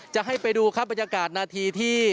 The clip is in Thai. จะให้ไปดูครับบรรยากาศนาทีที่